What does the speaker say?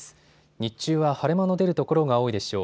日中は晴れ間の出る所が多いでしょう。